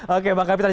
oke bang kapitan